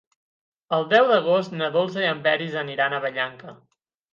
El deu d'agost na Dolça i en Peris aniran a Vallanca.